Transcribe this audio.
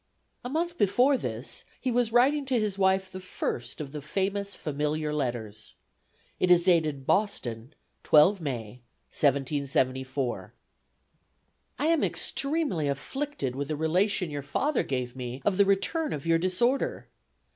A month before this, he was writing to his wife the first of the famous Familiar Letters. It is dated Boston, 12 May, 1774. "I am extremely afflicted with the relation your father gave me of the return of your disorder.